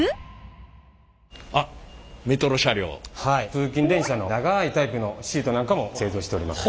通勤電車の長いタイプのシートなんかも製造しております。